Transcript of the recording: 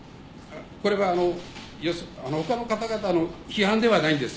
これは他の方々の批判ではないんです。